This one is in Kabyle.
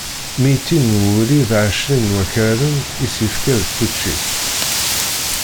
Mitin n wulli d ɛecrin n wakraren i s-yefka d tuččit.